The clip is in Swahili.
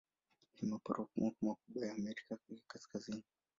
Ni maporomoko makubwa ya Amerika ya Kaskazini.